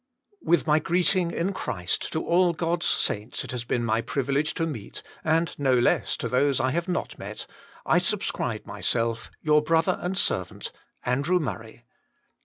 "With my greeting in Christ to all God's saints it has been my privilege to meet, and no less to those I have not met, I subscribe myself, your brother and servant, ANDREW MUBBAT.